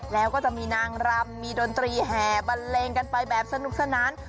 แล้วก็จะมีนางรำมีดนตรีแห่บันเลงกันไปแบบสนุกสนาน